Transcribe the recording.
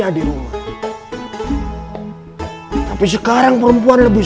koyaa yemme with sona terima kasih